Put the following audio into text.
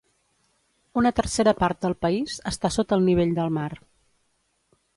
Una tercera part del país està sota el nivell del mar.